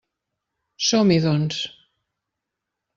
Som-hi, doncs.